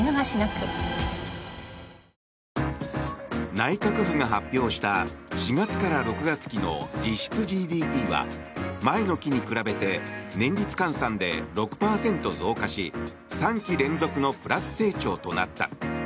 内閣府が発表した４月から６月期の実質ＧＤＰは前の期に比べて年率換算で６％増加し３期連続のプラス成長となった。